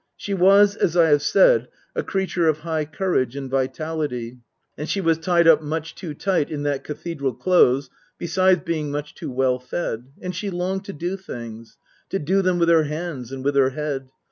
She was, as I have said, a creature of high courage and vitality and she was tied up much too tight in that Cathe dral Close, besides being much too well fed ; and she longed to do things. To do them with her hands and with her head.